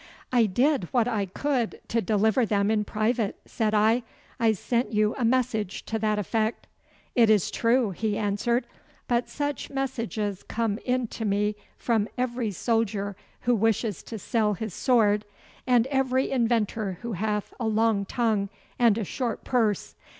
'I did what I could to deliver them in private,' said I. 'I sent you a message to that effect.' 'It is true,' he answered; 'but such messages come in to me from every soldier who wishes to sell his sword, and every inventor who hath a long tongue and a short purse.